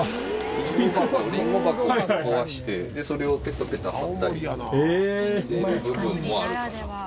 りんご箱を壊してそれをペタペタ貼ったりしてる部分もあるかな。